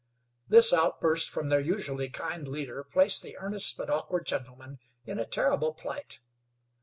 This outburst from their usually kind leader placed the earnest but awkward gentlemen in a terrible plight.